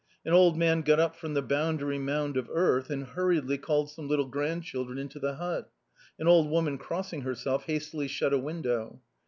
An old man got up from the boundary mound of earth and hurriedly called some little grandchildren into the hut ; an old woman crossing herself hastily shut a window.